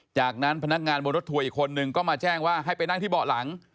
จากนั้นพนักงานบนรถทัวร์อีกคนนึงก็มาแจ้งว่าให้ไปนั่งที่เบาะหลัง